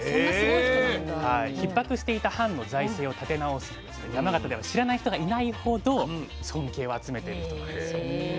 ひっ迫していた藩の財政を立て直した人として山形では知らない人がいないほど尊敬を集めている人なんですよ。